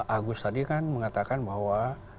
agus tadi kan mengatakan bahwa